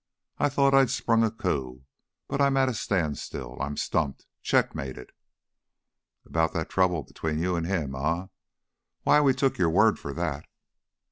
I thought I'd sprung a coup, but I'm at a standstill. I'm stumped checkmated." "About that trouble between you an' him, eh? Why, we took your word for that."